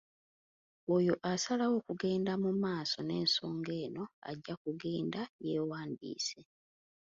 Oyo asalawo okugenda mu maaso n’ensonga eno ajja kugenda yeewandiise.